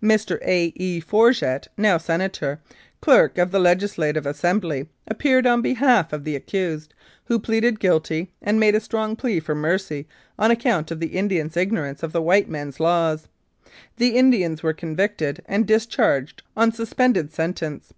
Mr. A. E. Forget (now Senator), clerk of the Legisla tive Assembly, appeared on behalf of the accused, who pleaded guilty, and made a strong plea for mercy on account of the Indians' ignorance of the white men's laws. The Indians were convicted, and discharged on suspended sentence.